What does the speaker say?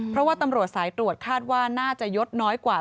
เพราะว่าตำรวจสายตรวจคาดว่าน่าจะยดน้อยกว่า